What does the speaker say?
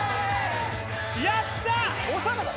やった！